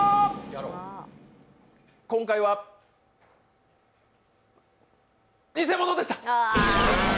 今回は偽物でした！